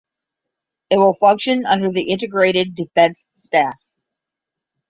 It will function under the Integrated Defence Staff.